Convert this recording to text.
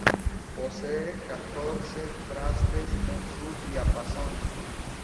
Posee catorce trastes en su diapasón.